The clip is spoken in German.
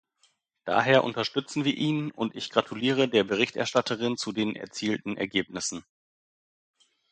Daher unterstützen wir ihn und ich gratuliere der Berichterstatterin zu den erzielten Ergebnissen.